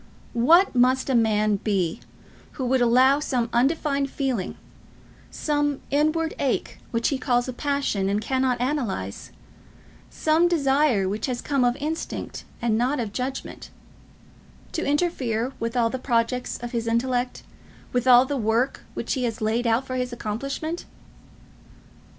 What must a man be who would allow some undefined feeling, some inward ache which he calls a passion and cannot analyse, some desire which has come of instinct and not of judgment, to interfere with all the projects of his intellect, with all the work which he has laid out for his accomplishment?